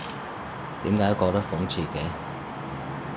點解覺得諷刺嘅？